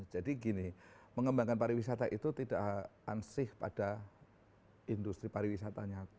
gini mengembangkan pariwisata itu tidak ansih pada industri pariwisatanya